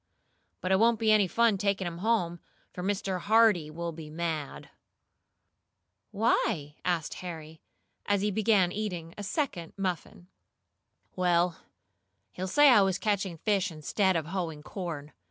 But it won't be any fun taking 'em home, for Mr. Hardee will be mad." "Why?" asked Harry, as he began eating a second muffin. "Well, he'll say I was catching fish instead of hoeing corn.